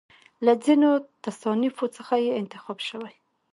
له ځینو تصانیفو څخه یې انتخاب شوی.